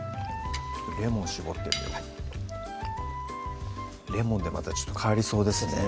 レモンしぼってみようレモンでまたちょっと変わりそうですね